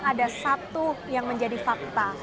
ada satu yang menjadi fakta